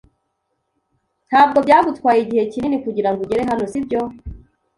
Ntabwo byagutwaye igihe kinini kugirango ugere hano, sibyo?